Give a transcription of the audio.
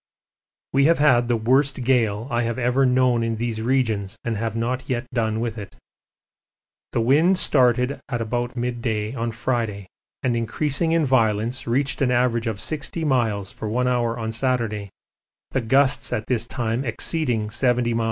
We have had the worst gale I have ever known in these regions and have not yet done with it. The wind started at about mid day on Friday, and increasing in violence reached an average of 60 miles for one hour on Saturday, the gusts at this time exceeding 70 m.p.